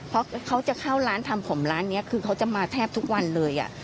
เพราะเขาจะเข้าร้านทำผมร้านนี้คือเขาจะมาแทบทุกวันเลย